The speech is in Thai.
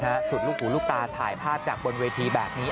กลุ่มสูงลูกกลางภาพครอบคมพูดจากบนเวทีแบบนี้